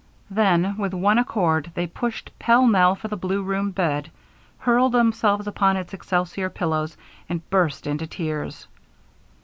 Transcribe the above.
Then, with one accord, they rushed pell mell for the blue room bed, hurled themselves upon its excelsior pillows, and burst into tears.